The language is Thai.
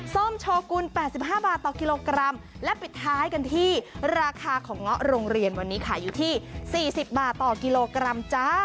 ส้อมโชกุน๘๕บาทต่อกิโลกรัม